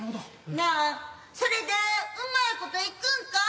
なあそれでうまいこといくんか？